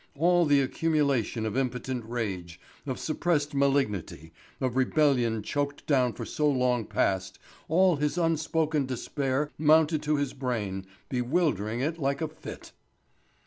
All the accumulation of impotent rage, of suppressed malignity, of rebellion choked down for so long past, all his unspoken despair mounted to his brain, bewildering it like a fit.